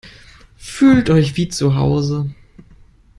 Fühlt euch wie zu Hause!